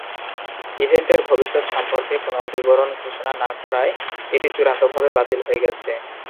ইভেন্টের ভবিষ্যত সম্পর্কে কোনও বিবরণ ঘোষণা না করায় এটি চূড়ান্তভাবে বাতিল হয়ে গেছে।